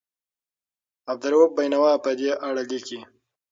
عبدالرؤف بېنوا په دې اړه لیکي.